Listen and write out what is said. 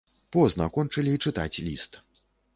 Позна кончылі чытаць ліст.